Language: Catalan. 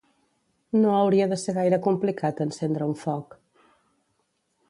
No hauria de ser gaire complicat encendre un foc.